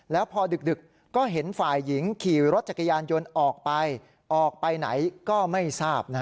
แล้วพอดึกก็เห็นฝ่ายหญิงขี่รถจักรยานยนต์ออกไปออกไปไหนก็ไม่ทราบ